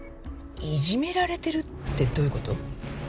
いじめられてるってどういう事？